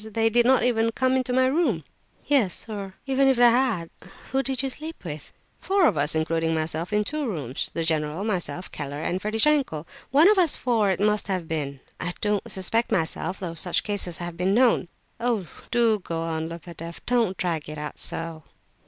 They did not even come into my room." "Yes, or even if they had! But who did sleep with you?" "Four of us, including myself, in two rooms. The general, myself, Keller, and Ferdishenko. One of us four it must have been. I don't suspect myself, though such cases have been known." "Oh! do go on, Lebedeff! Don't drag it out so."